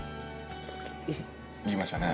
いきましたね。